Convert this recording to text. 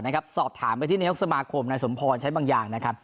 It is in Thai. สอบถามไปที่นายกสมาคมนายสมพรใช้บางอย่างนะครับ